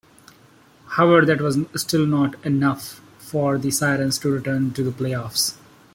However, that was still not enough for the Sirens to return to the playoffs.